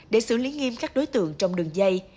để xử lý nghiêm các đối tượng trong đường dây